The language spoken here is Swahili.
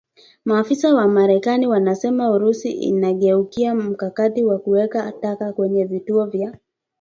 Maafisa wa marekani wanasema Urusi inageukia mkakati wa kuweka taka kwenye vituo vya